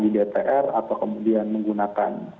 di dpr atau kemudian menggunakan